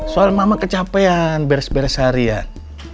soal mama kecapean beres beres harian